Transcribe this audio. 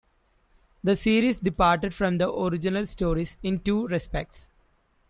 The series departed from the original stories in two respects.